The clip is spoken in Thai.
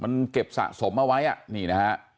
มันเก็บสะสมเอาไว้อะ